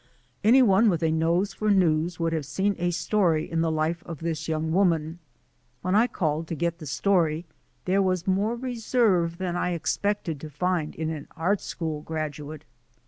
Any one with a nose for news would have seen a story in the life of this young woman. When I called to get the story there was more reserve than I expected to find in an art school graduate.